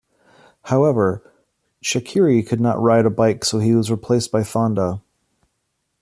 However Chakiris could not ride a bike so he was replaced by Fonda.